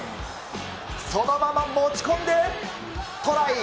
そのまま持ち込んでトライ。